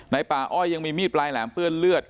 ป่าอ้อยยังมีมีดปลายแหลมเปื้อนเลือด